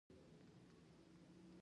په تورونو کي دي بند کړل زموږ سرونه